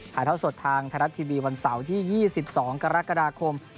ไทยรัฐทีวีช่อง๒๒กรกฎาคม